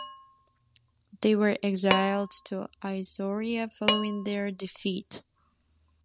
They were exiled to Isauria following their defeat.